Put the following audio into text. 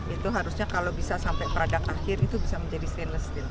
itu harusnya kalau bisa sampai produk akhir itu bisa menjadi stainless steel